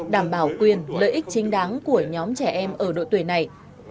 đảm bảo quyền lợi ích chính đáng của nhóm trẻ em ở đội tuổi này